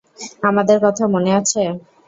আমাদের কথা মনে আছে!